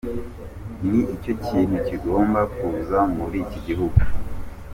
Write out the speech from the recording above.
Ni cyo kintu kigomba kuzamura igihugu.